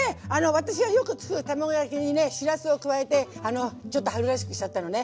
私がよくつくる卵焼きにねしらすを加えてちょっと春らしくしちゃったのね！